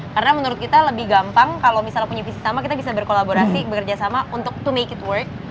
karena menurut kita lebih gampang kalau misalnya punya visi sama kita bisa berkolaborasi bekerja sama untuk to make it work